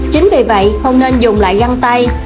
chính vì vậy không nên dùng lại găng tay